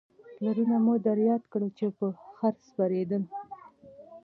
پلرونه مو در یاد کړئ چې په خره سپرېدل